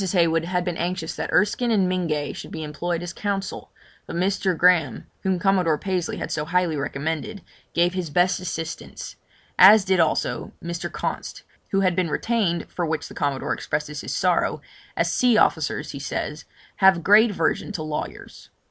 Heywood had been anxious that Erskine and Mingay should be employed as counsel, but Mr. Graham, whom Commodore Pasley had so highly recommended, gave his best assistance; as did also Mr. Const, who had been retained, for which the Commodore expresses his sorrow, as sea officers, he says, have a great aversion to lawyers.